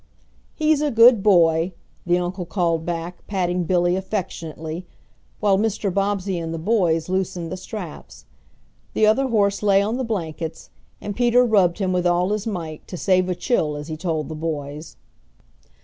"He's a good boy," the uncle called back patting Billy affectionately, while Mr. Bobbsey and the boys loosened the straps. The other horse lay on the blankets, and Peter rubbed him with all his might, to save a chill as he told the boys.